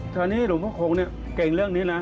ตอนนี้หลวงพระคงเนี่ยเก่งเรื่องนี้นะ